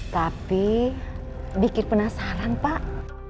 tapi bikin penasaran pak